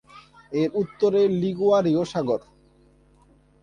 এর উত্তরে লিগুয়ারীয় সাগর।